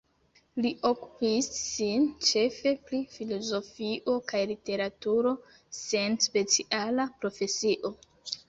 Li okupis sin ĉefe pri filozofio kaj literaturo, sen speciala profesio.